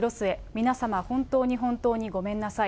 皆様、本当に本当にごめんなさい。